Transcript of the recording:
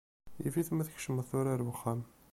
Yif-it ma tkecmeḍ tura ar wexxam.